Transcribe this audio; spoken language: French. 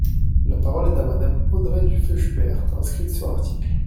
La parole est à Madame Audrey Dufeu Schubert, inscrite sur l’article.